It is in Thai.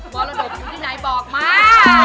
มรดบถึงที่ไหนบอกมา